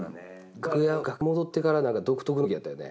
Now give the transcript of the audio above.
楽屋楽屋戻ってから独特の空気やったよね。